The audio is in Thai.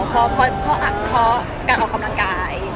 เพราะอยู่กันออกกำลังกาย